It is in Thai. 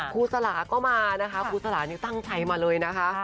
ครูสระก็มาค่ะครูสระตั้งใจมาเลยนะคะ